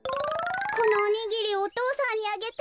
このおにぎりお父さんにあげて。